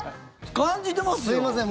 感じていますよ。